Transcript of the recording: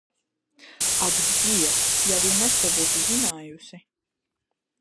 Ak, dievs, ja vien es to būtu zinājusi!